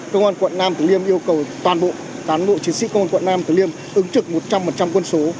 công an quận nam thừa liêm yêu cầu toàn bộ toàn bộ chiến sĩ công an quận nam thừa liêm ứng trực một trăm linh quân số